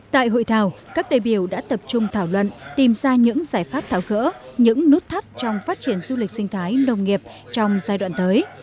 tại hội thảo các đề biểu đã tập trung thảo luận tìm ra những giải pháp tháo gỡ những nút thắt trong phát triển du lịch sinh thái nông nghiệp trong giai đoạn tới